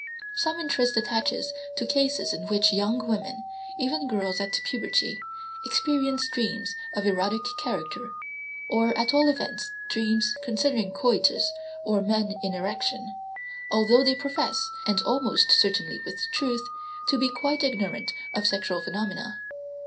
Some interest attaches to cases in which young women, even girls at puberty, experience dreams of erotic character, or at all events dream concerning coitus or men in erection, although they profess, and almost certainly with truth, to be quite ignorant of sexual phenomena.